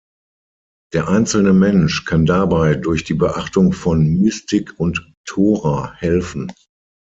Der einzelne Mensch kann dabei durch die Beachtung von Mystik und Tora helfen.